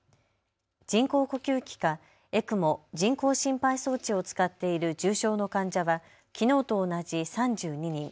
人工呼吸器かＥＣＭＯ・人工心肺装置を使っている重症の患者は、きのうと同じ３２人。